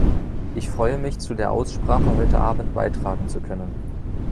Ich freue mich, zu der Aussprache heute Abend beitragen zu können.